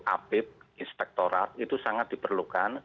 apib inspektorat itu sangat diperlukan